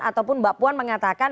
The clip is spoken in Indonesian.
ataupun mbak puan mengatakan